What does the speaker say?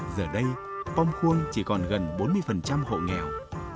giờ đây pom khuôn chỉ còn gần bốn mươi hộ nghèo